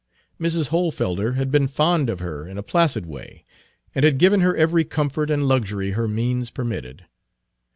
Mrs. Hohlfelder had been fond of her in a placid way, and had given her every comfort and luxury her means permitted.